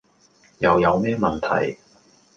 又有咩問題?